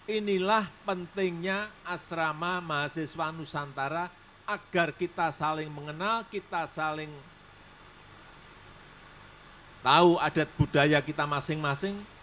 inilah pentingnya asrama mahasiswa nusantara agar kita saling mengenal kita saling tahu adat budaya kita masing masing